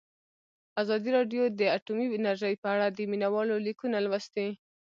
ازادي راډیو د اټومي انرژي په اړه د مینه والو لیکونه لوستي.